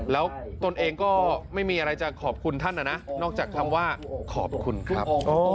แล้วตนเองก็ไม่มีอะไรจะขอบคุณท่านนะนะนอกจากคำว่าขอบคุณครับ